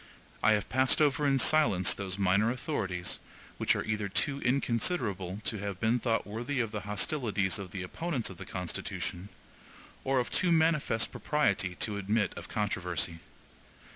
I have passed over in silence those minor authorities, which are either too inconsiderable to have been thought worthy of the hostilities of the opponents of the Constitution, or of too manifest propriety to admit of controversy.